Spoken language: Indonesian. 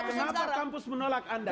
kenapa kampus menolak anda